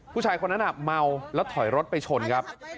ผู้ชายคนนั้นเมาแล้วถอยรถไปชนครับ